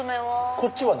こっちは何？